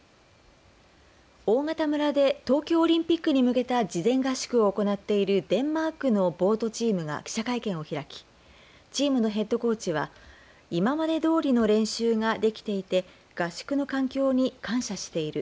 大潟村で東京オリンピックに向けた事前合宿を行っているデンマークのボートチームが記者会見を開きチームのヘッドコーチは今までどおりの練習ができていて合宿の環境に感謝している。